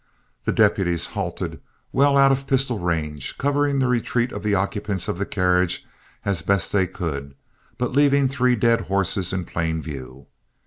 The deputies halted well out of pistol range, covering the retreat of the occupants of the carriage as best they could, but leaving three dead horses in plain view.